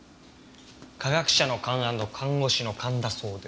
科学者の勘アンド看護師の勘だそうです。